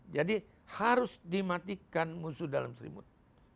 jadi harus dimatikan musuh dalam selimut